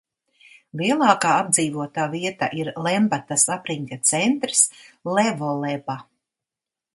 Lielākā apdzīvotā vieta ir Lembatas apriņķa centrs Levoleba.